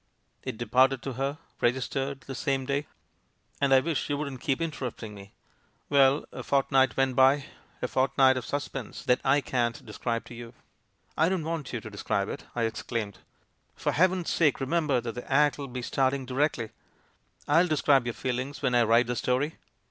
It departed to her, registered, the same day. And I wish you wouldn't keep interrupting me! ... Well, a fortnight went by, a fortnight of sus pense that I can't describe to you." "I don't want you to describe it !" I exclaimed. "For heaven's sake, remember that the act'll be starting directly. I'll describe your feelings when I write the story."